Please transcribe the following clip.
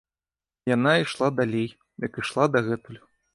Яна ішла далей, як ішла дагэтуль.